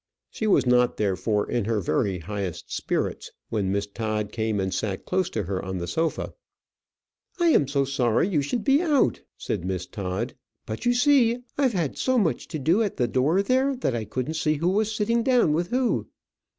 She was not therefore in her very highest spirits when Miss Todd came and sat close to her on the sofa. "I am so sorry you should be out," said Miss Todd. "But you see, I've had so much to do at the door there, that I couldn't see who was sitting down with who."